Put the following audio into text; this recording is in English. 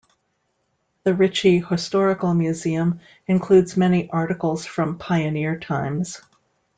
The Richey Historical Museum includes many articles from pioneer times.